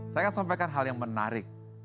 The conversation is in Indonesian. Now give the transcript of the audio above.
saya akan sampaikan hal yang menarik